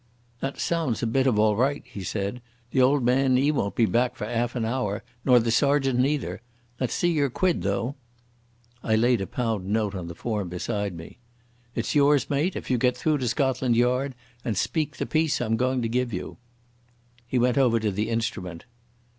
"That sounds a bit of all right," he said. "The old man 'e won't be back for 'alf an hour, nor the sergeant neither. Let's see your quid though." I laid a pound note on the form beside me. "It's yours, mate, if you get through to Scotland Yard and speak the piece I'm goin' to give you." He went over to the instrument.